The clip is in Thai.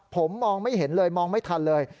ผมมองไม่เห็นเลยมองไม่ทันเลย